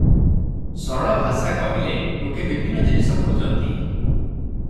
ସରଳ ଭାଷା କହିଲେ ଲୋକେ ବିଭିନ୍ନ ଜିନିଷ ଖୋଜନ୍ତି ।